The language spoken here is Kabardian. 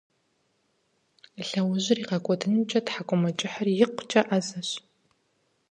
И лъэужьыр игъэкIуэдынымкIэ тхьэкIумэкIыхьыр икъукIэ Iэзэщ.